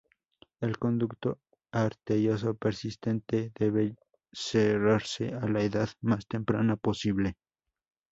El conducto arterioso persistente debe cerrarse a la edad más temprana posible.